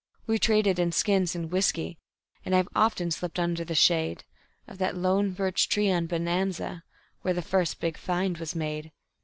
We traded in skins and whiskey, and I've often slept under the shade Of that lone birch tree on Bonanza, where the first big find was made.